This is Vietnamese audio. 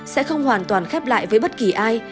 sẽ không hoàn toàn khép lại với bất kỳ ai